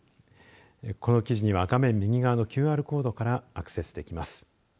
この記事には画面右側のＱＲコードからアクセスできます。